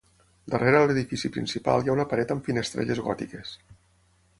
Darrere l'edifici principal hi ha una paret amb finestrelles gòtiques.